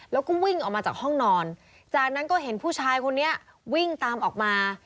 แล้วก็วิ่งออกมาจากห้องนอนจากนั้นก็เห็นผู้ชายคนนี้วิ่งตามออกมา